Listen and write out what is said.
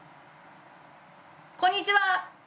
こんにちは！